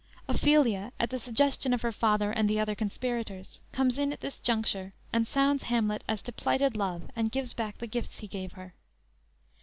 "_ Ophelia at the suggestion of her father and the other conspirators, comes in at this juncture and sounds Hamlet as to plighted love and gives back the gifts he gave her.